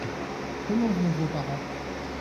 Comment vont vos parents ?